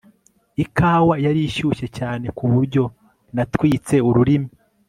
ikawa yari ishyushye cyane kuburyo natwitse ururimi